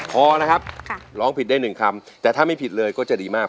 พอนะครับร้องผิดได้หนึ่งคำแต่ถ้าไม่ผิดเลยก็จะดีมาก